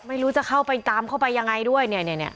ไม่รู้จะเข้าไปตามเข้าไปยังไงด้วยเนี่ย